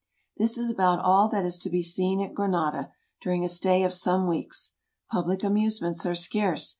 This is about all that is to be seen at Granada, during a stay of some weeks. Public amusements are scarce.